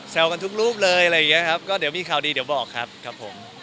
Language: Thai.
กันทุกรูปเลยอะไรอย่างนี้ครับก็เดี๋ยวมีข่าวดีเดี๋ยวบอกครับครับผม